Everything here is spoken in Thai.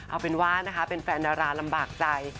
เอาเป็นว่านะคะเป็นแฟนดาราลำบากใจ